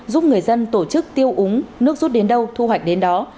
giúp người dân tổ chức tiêu úng nước rút đến đâu thu hoạch đến đó